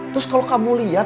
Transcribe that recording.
terus kalau kamu liat